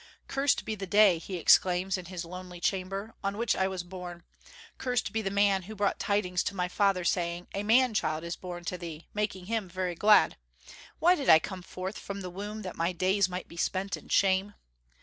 "Cursed be the day," he exclaims, in his lonely chamber, "on which I was born! Cursed be the man who brought tidings to my father, saying, A man child is born to thee, making him very glad! Why did I come forth from the womb that my days might be spent in shame?"